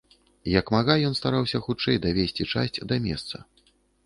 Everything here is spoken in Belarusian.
Як мага ён стараўся хутчэй давезці часць да месца.